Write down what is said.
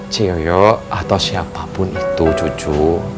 ciyoyo atau siapapun itu cucu